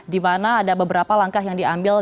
dimana ada beberapa langkah yang diambil